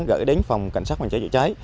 gửi đến phòng cảnh sát phòng cháy cháy cháy